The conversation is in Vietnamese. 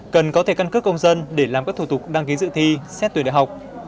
cần có thể căn cước công dân để làm các thủ tục đăng ký dự thi xét tuyển đại học